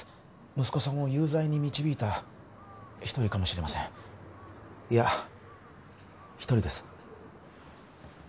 息子さんを有罪に導いた一人かもしれませんいや一人です